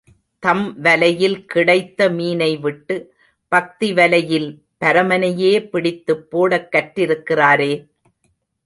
தம் வலையில் கிடைத்த மீனை விட்டு, பக்தி வலையில் பரமனையே பிடித்துப் போடக் கற்றிருக்கிறாரே.